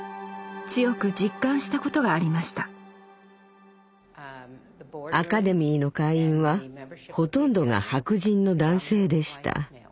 強く実感したことがありましたアカデミーの会員はほとんどが白人の男性でした。